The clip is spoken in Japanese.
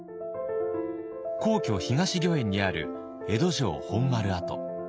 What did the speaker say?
皇居東御苑にある江戸城本丸跡。